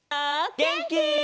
げんき？